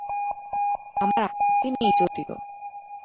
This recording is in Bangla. আমার আপত্তি নেই যদিও।